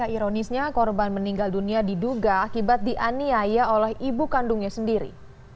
ironisnya korban meninggal dunia diduga akibat dianiaya oleh ibu kandungnya sendiri